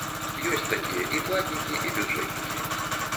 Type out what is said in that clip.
Ёсць такія і платнікі, і бюджэтнікі.